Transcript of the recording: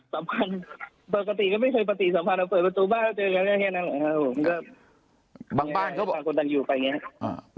สัมภัณฑ์ปกติก็ไม่เคยประตูสัมภัณฑ์คู่เราเปิดประตูบ้านเจอกันแค่นั้นนะครับครับผม